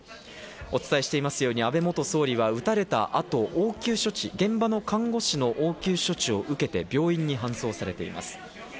お伝えしていますように安倍元総理は撃たれた後、現場の看護師の応急処置を受けて病院に搬送されています。